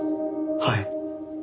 はい。